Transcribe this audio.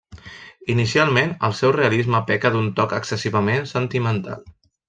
Inicialment el seu realisme peca d'un toc excessivament sentimental.